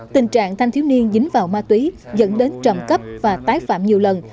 tình trạng thanh thiếu niên dính vào ma túy dẫn đến trầm cấp và tái phạm nhiều lần